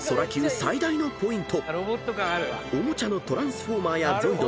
最大のポイント］